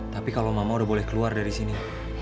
tapi kalau mama udah boleh keluar dari sini